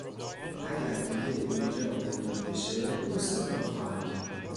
اگر دیگه اینجا پیدات بشه پوستت را خواهم کند!